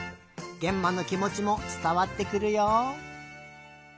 げんまのきもちもつたわってくるよ。